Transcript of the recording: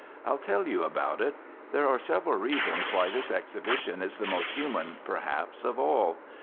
I'll tell you about it. There are several reasons why this exhibition is the most human perhaps of all.